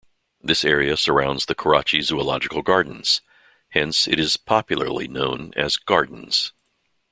This area surrounds the Karachi Zoological Gardens hence it is popularly known as Gardens.